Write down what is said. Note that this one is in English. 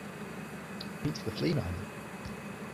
Meets the Flea Man.